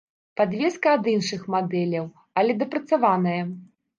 Падвеска ад іншых мадэляў, але дапрацаваная.